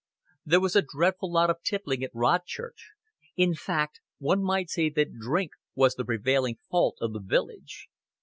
There was a dreadful lot of tippling at Rodchurch: in fact, one might say that drink was the prevailing fault of the village.